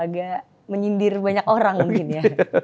agak menyindir banyak orang mungkin ya